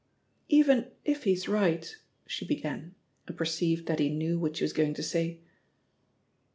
"Even if he's right " she began, and per ceived that he knew what she was going to say.